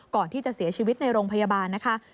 ก่อนที่จะเสียชีวิตในโรงพยาบาลนะคะ